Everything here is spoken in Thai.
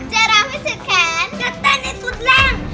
จะเต้นให้สุดแร่ง